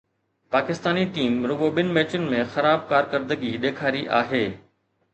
Pakistani team رڳو ٻن ميچن ۾ خراب ڪارڪردگي ڏيکاري آهي.